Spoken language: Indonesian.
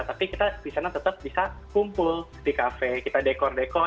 tapi kita di sana tetap bisa kumpul di kafe kita dekor dekor